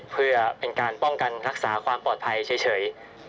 เพื่อเป็นการป้องกันรักษาความปลอดภัยเฉย